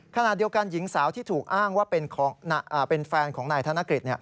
ขณะเดียวกันหญิงสาวที่ถูกอ้างว่าเป็นแฟนของนายธนกฤษ